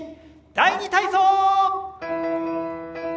「第２体操」！